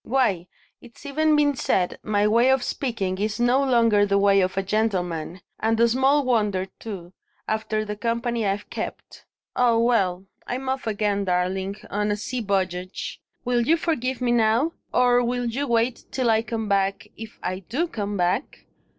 Why, it's even been said my way of speaking is no longer the way of a gentleman; and small wonder, too, after the company I've kept. Ah, well! I'm off again, darling, on a sea voyage. Will you forgive me now? or will you wait till I come back, if I do come back?